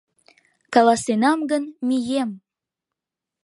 Каласенам гын, мием!